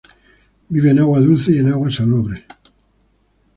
Vive en agua dulce y en agua salobre.